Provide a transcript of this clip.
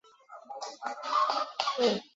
更何况盖奇本身又对殖民者抱有同情。